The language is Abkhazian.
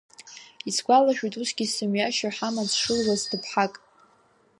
Исгәалашәоит усгьы сымҩашьо ҳамаҵ шылуаз ҭыԥҳак.